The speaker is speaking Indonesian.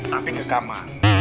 tapi ke kamar